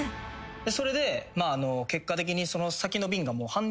それで結果的に。